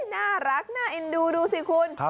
น่ารักน่าเอ็นดูดูสิคุณ